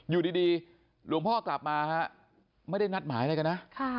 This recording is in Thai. อยู่ดีหลวงพ่อกลับมาฮะไม่ได้นัดหมายอะไรกันนะ